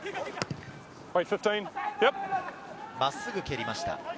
真っすぐ蹴りました。